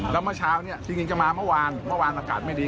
แล้วเมื่อเช้าเนี่ยจริงจะมาเมื่อวานเมื่อวานอากาศไม่ดี